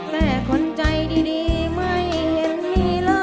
แต่คนใจดีไม่เห็นมีเลย